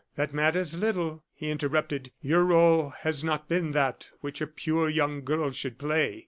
"That matters little," he interrupted; "your role has not been that which a pure young girl should play."